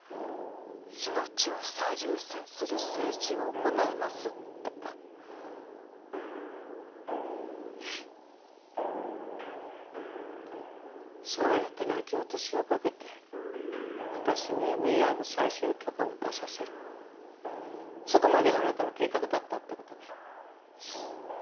「命を最優先する政治を行います」ってそうやって泣き落としをかけて私にＭＥＲの最終許可を出させるそこまでがあなたの計画だったってことね